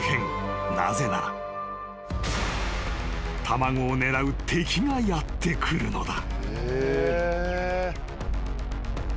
［卵を狙う敵がやって来るのだ］